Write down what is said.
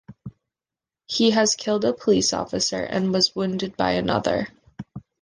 He has killed a police officer and was wounded by another.